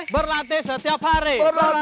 berlatih setiap hari